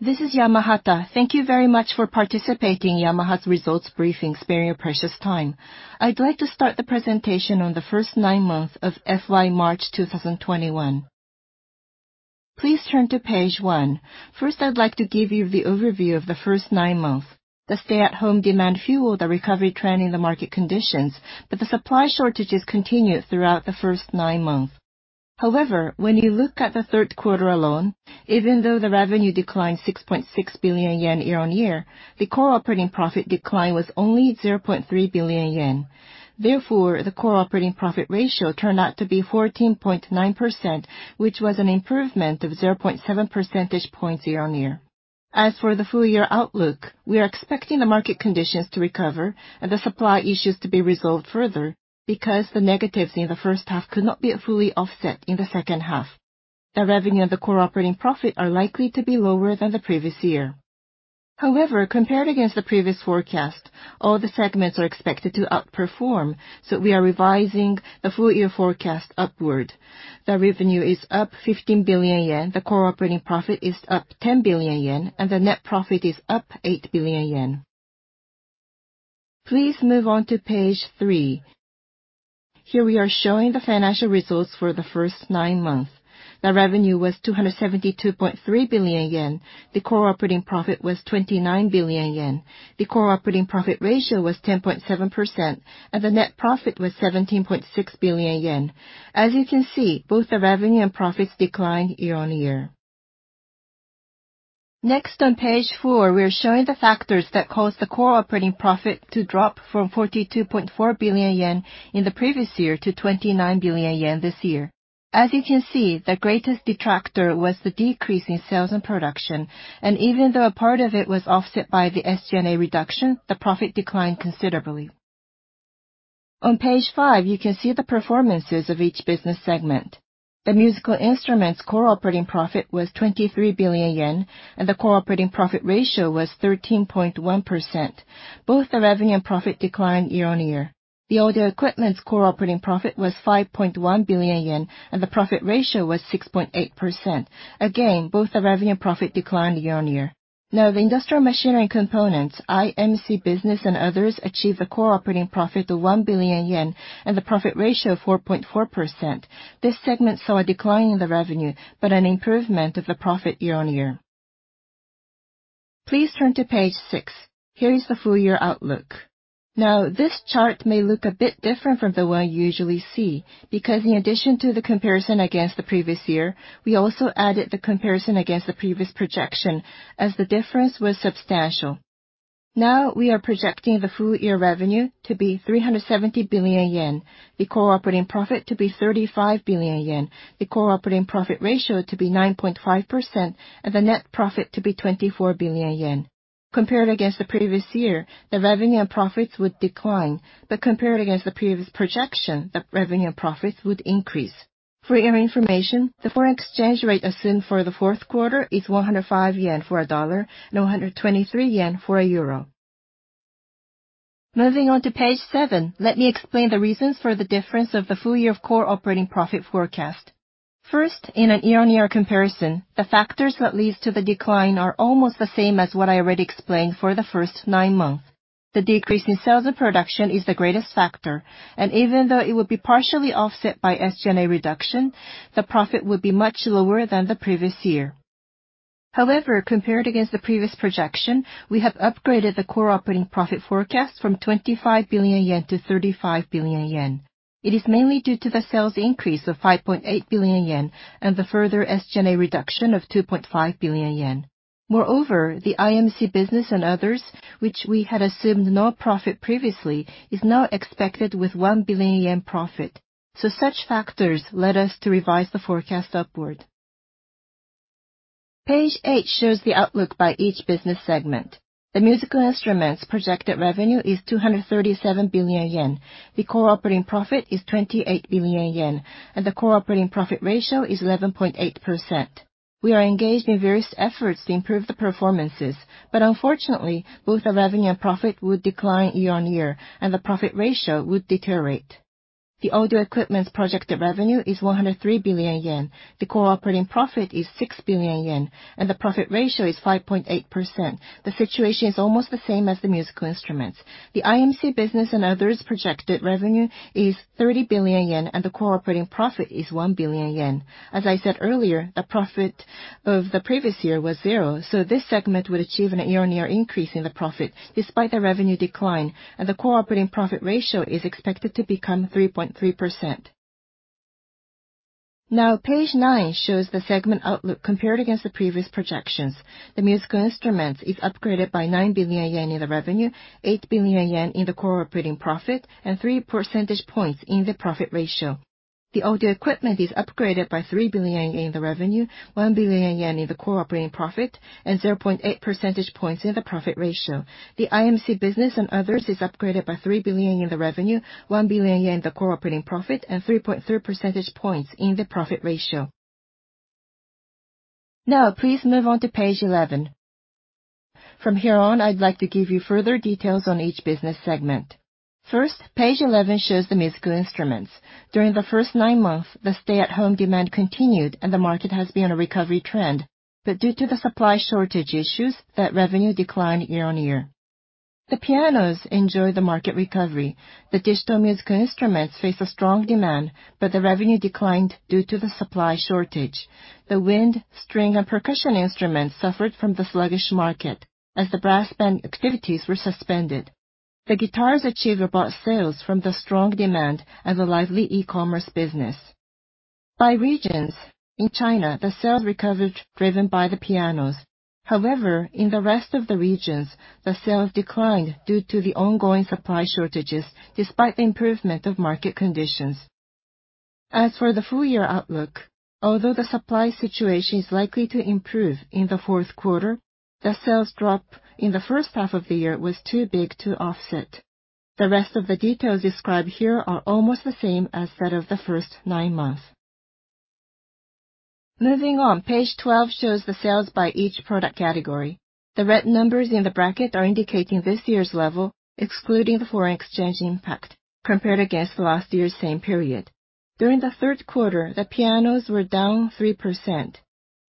This is Yamahata. Thank you very much for participating in Yamaha's results briefing, sparing your precious time. I'd like to start the presentation on the first nine months of FY March 2021. Please turn to page one. First, I'd like to give you the overview of the first nine months. The stay-at-home demand fueled the recovery trend in the market conditions. The supply shortages continued throughout the first nine months. When you look at the third quarter alone, even though the revenue declined 6.6 billion yen year-on-year, the core operating profit decline was only 0.3 billion yen. The core operating profit ratio turned out to be 14.9%, which was an improvement of 0.7 percentage points year-on-year. As for the full-year outlook, we are expecting the market conditions to recover and the supply issues to be resolved further because the negatives in the first half could not be fully offset in the second half. The revenue and the core operating profit are likely to be lower than the previous year. Compared against the previous forecast, all the segments are expected to outperform. We are revising the full-year forecast upward. The revenue is up 15 billion yen, the core operating profit is up 10 billion yen. The net profit is up 8 billion yen. Please move on to page three. Here we are showing the financial results for the first nine months. The revenue was 272.3 billion yen, the core operating profit was 29 billion yen, the core operating profit ratio was 10.7%. The net profit was 17.16 billion yen. As you can see, both the revenue and profits declined year-on-year. Next, on page four, we are showing the factors that caused the core operating profit to drop from 42.4 billion yen in the previous year to 29 billion yen this year. As you can see, the greatest detractor was the decrease in sales and production, and even though a part of it was offset by the SG&A reduction, the profit declined considerably. On page five, you can see the performances of each business segment. The musical instruments core operating profit was 23 billion yen, and the core operating profit ratio was 13.1%. Both the revenue and profit declined year-on-year. The audio equipment's core operating profit was 5.1 billion yen, and the profit ratio was 6.8%. Again, both the revenue and profit declined year-on-year. The industrial machinery and components, IMC business and others, achieved the core operating profit of 1 billion yen and the profit ratio of 4.4%. This segment saw a decline in the revenue, but an improvement of the profit year-on-year. Please turn to page six. Here is the full-year outlook. This chart may look a bit different from the one you usually see, because in addition to the comparison against the previous year, we also added the comparison against the previous projection as the difference was substantial. We are projecting the full-year revenue to be 370 billion yen, the core operating profit to be 35 billion yen, the core operating profit ratio to be 9.5%, and the net profit to be 24 billion yen. Compared against the previous year, the revenue and profits would decline. Compared against the previous projection, the revenue and profits would increase. For your information, the foreign exchange rate assumed for the fourth quarter is 105 yen for $1 and JPY 123 for EUR 1. Moving on to page seven, let me explain the reasons for the difference of the full year of core operating profit forecast. First, in a year-on-year comparison, the factors that leads to the decline are almost the same as what I already explained for the first nine months. The decrease in sales and production is the greatest factor, and even though it would be partially offset by SG&A reduction, the profit would be much lower than the previous year. However, compared against the previous projection, we have upgraded the core operating profit forecast from 25 billion yen to 35 billion yen. It is mainly due to the sales increase of 5.8 billion yen and the further SG&A reduction of 2.5 billion yen. The IMC business and others, which we had assumed no profit previously, is now expected with 1 billion yen profit. Such factors led us to revise the forecast upward. Page eight shows the outlook by each business segment. The Musical Instruments projected revenue is 237 billion yen. The core operating profit is 28 billion yen, and the core operating profit ratio is 11.8%. We are engaged in various efforts to improve the performances, unfortunately, both the revenue and profit would decline year-on-year, and the profit ratio would deteriorate. The Audio Equipment's projected revenue is 103 billion yen. The core operating profit is 6 billion yen, and the profit ratio is 5.8%. The situation is almost the same as the Musical Instruments. The IMC business and others' projected revenue is 30 billion yen, and the core operating profit is 1 billion yen. As I said earlier, the profit of the previous year was zero, so this segment would achieve an year-on-year increase in the profit despite the revenue decline, and the core operating profit ratio is expected to become 3.3%. Page nine shows the segment outlook compared against the previous projections. The Musical Instruments is upgraded by 9 billion yen in the revenue, 8 billion yen in the core operating profit, and three percentage points in the profit ratio. The Audio Equipment is upgraded by 3 billion yen in the revenue, 1 billion yen in the core operating profit, and 0.8 percentage points in the profit ratio. The IMC Business and others is upgraded by 3 billion in the revenue, 1 billion yen in the core operating profit, and 3.3 percentage points in the profit ratio. Please move on to page 11. From here on, I'd like to give you further details on each business segment. Page 11 shows the musical instruments. During the first nine months, the stay-at-home demand continued. The market has been a recovery trend. Due to the supply shortage issues, that revenue declined year-on-year. The pianos enjoy the market recovery. The digital musical instruments face a strong demand. The revenue declined due to the supply shortage. The wind, string, and percussion instruments suffered from the sluggish market as the brass band activities were suspended. The guitars achieved robust sales from the strong demand and the lively e-commerce business. By regions, in China, the sales recovered, driven by the pianos. However, in the rest of the regions, the sales declined due to the ongoing supply shortages despite the improvement of market conditions. As for the full year outlook, although the supply situation is likely to improve in the fourth quarter, the sales drop in the first half of the year was too big to offset. The rest of the details described here are almost the same as that of the first nine months. Moving on, page 12 shows the sales by each product category. The red numbers in the bracket are indicating this year's level, excluding the foreign exchange impact compared against last year's same period. During the third quarter, the pianos were down 3%.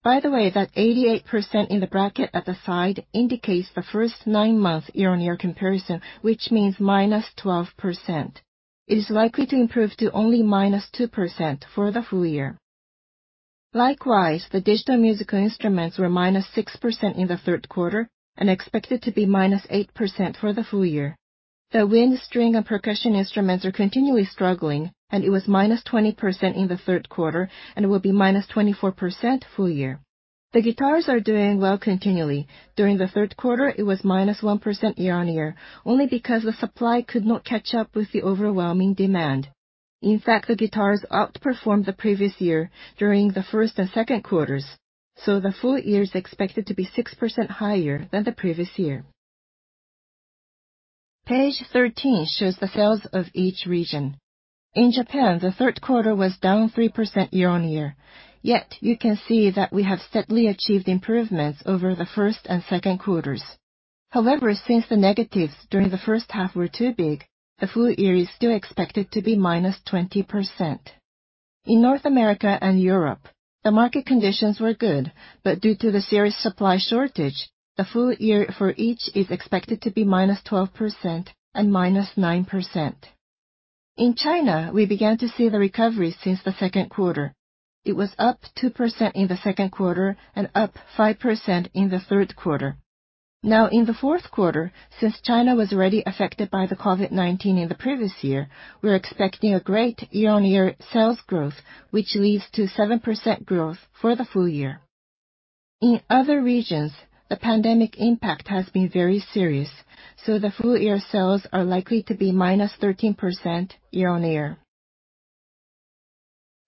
By the way, that 88% in the bracket at the side indicates the first nine-month year-on-year comparison, which means minus 12%. It is likely to improve to only minus 2% for the full year. Likewise, the digital musical instruments were minus 6% in the third quarter and expected to be minus 8% for the full year. The wind, string, and percussion instruments are continually struggling, it was -20% in the third quarter and will be -24% full year. The guitars are doing well continually. During the third quarter, it was -1% year-on-year, only because the supply could not catch up with the overwhelming demand. In fact, the guitars outperformed the previous year during the first and second quarters, so the full year is expected to be 6% higher than the previous year. Page 13 shows the sales of each region. In Japan, the third quarter was down -3% year-on-year. Yet, you can see that we have steadily achieved improvements over the first and second quarters. However, since the negatives during the first half were too big, the full year is still expected to be -20%. In North America and Europe, the market conditions were good, but due to the serious supply shortage, the full year for each is expected to be minus 12% and minus 9%. In China, we began to see the recovery since the second quarter. It was up 2% in the second quarter and up 5% in the third quarter. In the fourth quarter, since China was already affected by the COVID-19 in the previous year, we're expecting a great year-on-year sales growth, which leads to 7% growth for the full year. In other regions, the pandemic impact has been very serious, the full year sales are likely to be minus 13% year-on-year.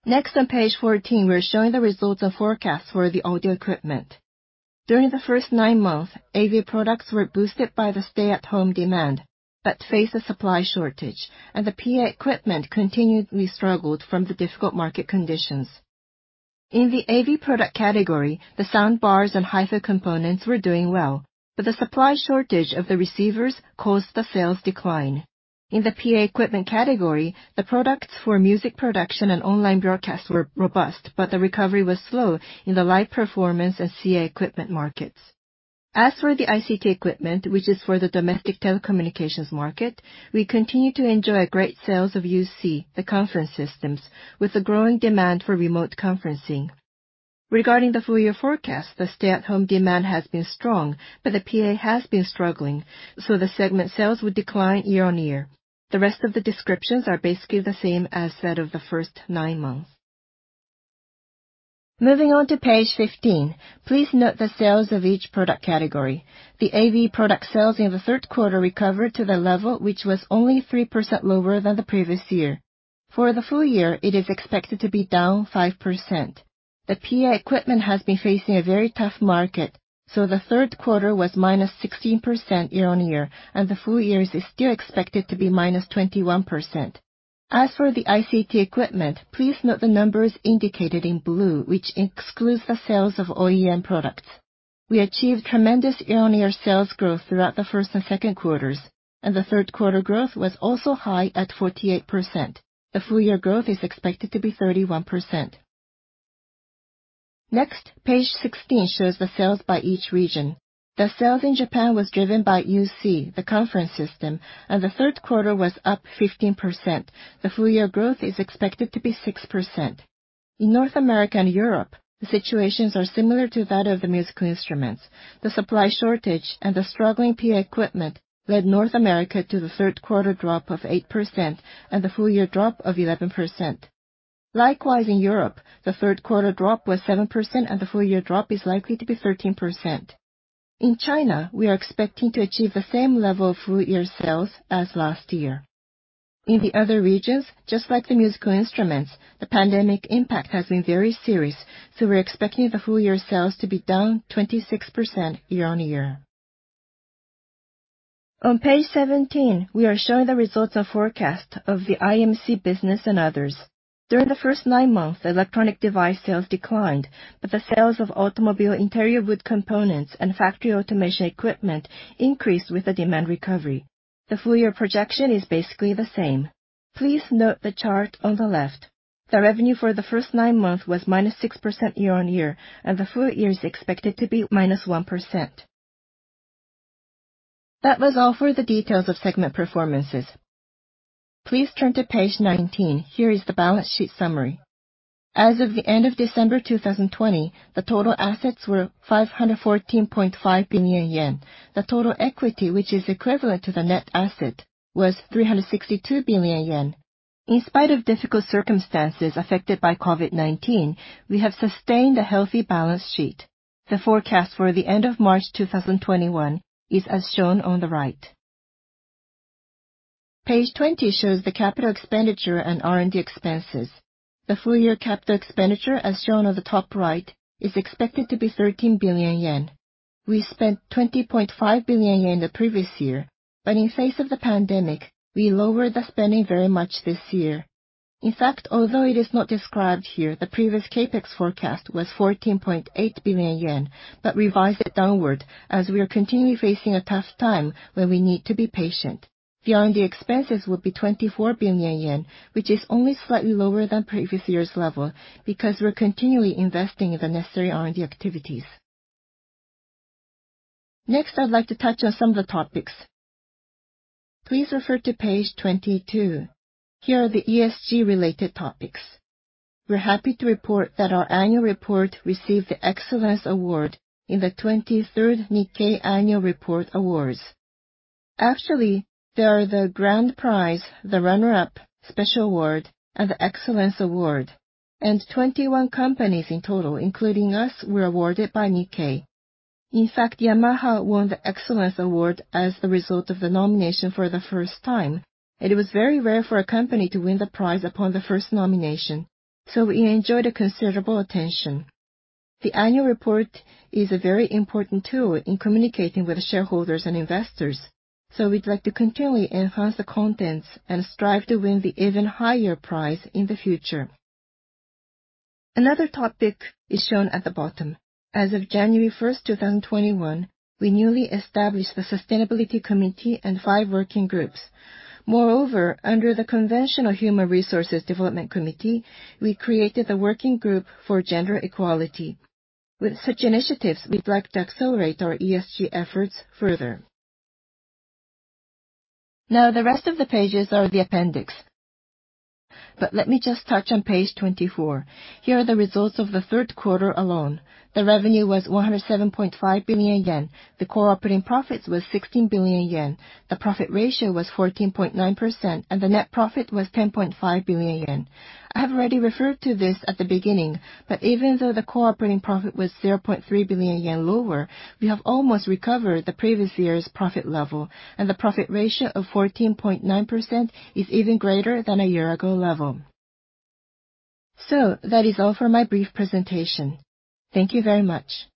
On page 14, we're showing the results and forecasts for the audio equipment. During the first nine months, AV products were boosted by the stay-at-home demand, but faced a supply shortage, and the PA equipment continually struggled from the difficult market conditions. In the AV product category, the soundbars and hi-fi components were doing well, but the supply shortage of the receivers caused the sales decline. In the PA equipment category, the products for music production and online broadcasts were robust, but the recovery was slow in the live performance and PA equipment markets. As for the ICT equipment, which is for the domestic telecommunications market, we continue to enjoy great sales of UC, the conference systems, with a growing demand for remote conferencing. Regarding the full year forecast, the stay-at-home demand has been strong, but the PA has been struggling, so the segment sales would decline year-on-year. The rest of the descriptions are basically the same as that of the first nine months. Moving on to page 15, please note the sales of each product category. The AV product sales in the third quarter recovered to the level which was only 3% lower than the previous year. For the full year, it is expected to be down 5%. The PA equipment has been facing a very tough market, so the third quarter was minus 16% year-on-year, and the full year is still expected to be minus 21%. As for the ICT equipment, please note the numbers indicated in blue, which excludes the sales of OEM products. We achieved tremendous year-on-year sales growth throughout the first and second quarters, and the third quarter growth was also high at 48%. The full year growth is expected to be 31%. Next, page 16 shows the sales by each region. The sales in Japan was driven by UC, the conference system, and the third quarter was up 15%. The full year growth is expected to be 6%. In North America and Europe, the situations are similar to that of the musical instruments. The supply shortage and the struggling PA equipment led North America to the third quarter drop of 8% and the full year drop of 11%. Likewise, in Europe, the third quarter drop was 7%, and the full year drop is likely to be 13%. In China, we are expecting to achieve the same level of full year sales as last year. In the other regions, just like the musical instruments, the pandemic impact has been very serious, so we're expecting the full year sales to be down 26% year-on-year. On page 17, we are showing the results of forecast of the IMC business and others. During the first nine months, electronic device sales declined, but the sales of automobile interior wood components and factory automation equipment increased with the demand recovery. The full-year projection is basically the same. Please note the chart on the left. The revenue for the first nine months was -6% year-on-year, and the full year is expected to be -1%. That was all for the details of segment performances. Please turn to page 19. Here is the balance sheet summary. As of the end of December 2020, the total assets were 514.5 billion yen. The total equity, which is equivalent to the net asset, was 362 billion yen. In spite of difficult circumstances affected by COVID-19, we have sustained a healthy balance sheet. The forecast for the end of March 2021 is as shown on the right. Page 20 shows the capital expenditure and R&D expenses. The full-year CapEx, as shown on the top right, is expected to be 13 billion yen. We spent 20.5 billion yen the previous year, but in face of the COVID-19, we lowered the spending very much this year. In fact, although it is not described here, the previous CapEx forecast was 14.8 billion yen, but revised it downward as we are continually facing a tough time where we need to be patient. The R&D expenses will be 24 billion yen, which is only slightly lower than previous year's level, because we're continually investing in the necessary R&D activities. Next, I'd like to touch on some of the topics. Please refer to page 22. Here are the ESG-related topics. We're happy to report that our annual report received the Excellence Award in the 23rd Nikkei Annual Report Awards. Actually, there are the Grand Prize, the Runner-up Special Award, and the Excellence Award, and 21 companies in total, including us, were awarded by Nikkei. In fact, Yamaha won the Excellence Award as the result of the nomination for the first time. It was very rare for a company to win the prize upon the first nomination, so we enjoyed considerable attention. The annual report is a very important tool in communicating with shareholders and investors, so we'd like to continually enhance the contents and strive to win the even higher prize in the future. Another topic is shown at the bottom. As of January 1st, 2021, we newly established the Sustainability Committee and five working groups. Under the conventional Human Resources Development Committee, we created the working group for gender equality. With such initiatives, we'd like to accelerate our ESG efforts further. The rest of the pages are the appendix. Let me just touch on page 24. Here are the results of the third quarter alone. The revenue was 107.5 billion yen, the core operating profits was 16 billion yen, the profit ratio was 14.9%, and the net profit was 10.5 billion yen. I have already referred to this at the beginning, but even though the core operating profit was 0.3 billion yen lower, we have almost recovered the previous year's profit level, and the profit ratio of 14.9% is even greater than a year ago level. That is all for my brief presentation. Thank you very much.